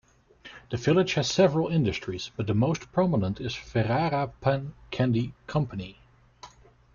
The village has several industries, but the most prominent is Ferrara Pan Candy Company.